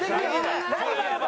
ライバルが。